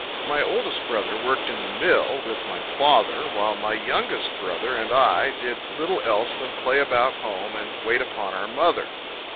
My oldest brother worked in the mill, with my father, while my youngest brother and I did little else than play about home, and wait upon our mother.